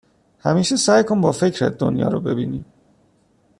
همیشه سعی کن با فکرت دنیا رو ببینی